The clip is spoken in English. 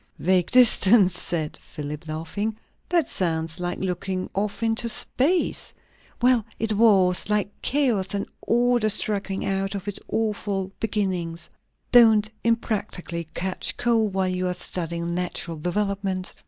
"Vague distance?" said Philip, laughing. "That sounds like looking off into space." "Well, it was. Like chaos, and order struggling out of its awful beginnings." "Don't unpractically catch cold, while you are studying natural developement."